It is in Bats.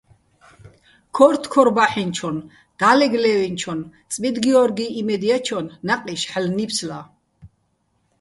ქო́რთოქორბაჰ̦ინჩონ, და́ლეგ ლე́ვინჩონ წმიდგიორგიჼ იმედ ჲაჩონ ნაყი́შ ჰ̦ალო̆ ნიფსლა.